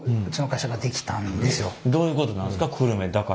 どういうことなんですか？